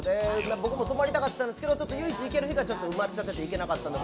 僕も泊まりたかったんですけど、唯一行ける日がちょっと埋まってて、行けなかったので。